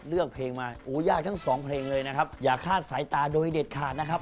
เลือกเพลงมาโอ้ยากทั้งสองเพลงเลยนะครับอย่าคาดสายตาโดยเด็ดขาดนะครับ